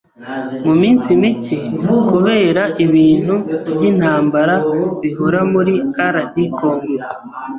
Mu minsi mike kubera ibintu by’intambara bihora muri RD Congo,